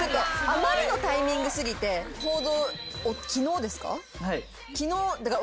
あまりのタイミング過ぎて報道昨日ですか？